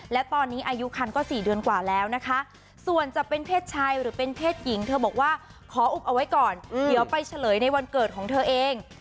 และตอนนี้อายุคันก็๔เดือนกว่าแล้วนะคะส่วนจะเป็นเพศชายหรือเป็นเพศหญิงเธอบอกว่าขออุบเอาไว้ก่อนเดี๋ยวไปเฉลยในวันเกิดของเธอเอง